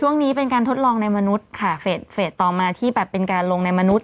เป็นการทดลองในมนุษย์ค่ะเฟสเฟสต่อมาที่แบบเป็นการลงในมนุษย